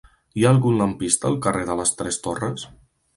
Hi ha algun lampista al carrer de les Tres Torres?